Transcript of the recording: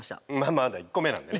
まだ１個目なんでね